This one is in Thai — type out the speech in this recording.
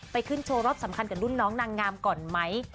ไปขึ้นโชว์รอบสำคัญกับรุ่นน้องนางงามก่อนไหม